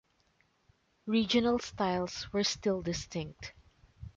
Regional styles were still distinct.